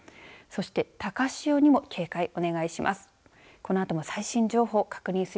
そして高潮にも警戒、お願いします。